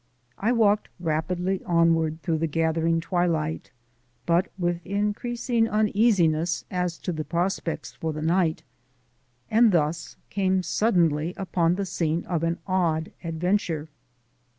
I walked rapidly onward through the gathering twilight, but with increasing uneasiness as to the prospects for the night, and thus came suddenly upon the scene of an odd adventure.